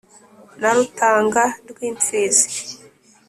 na rutanga rw'imfizi